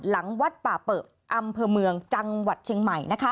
หลังวัดป่าเปิบอำเภอเมืองจังหวัดเชียงใหม่